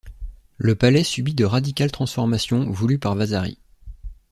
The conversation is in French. Le palais subit de radicales transformations, voulues par Vasari.